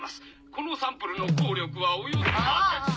このサンプルの効力はおよそ。